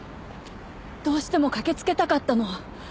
どうしても駆けつけたかったの。